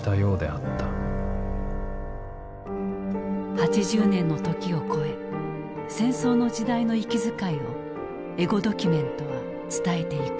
８０年の時を超え戦争の時代の息遣いをエゴドキュメントは伝えていく。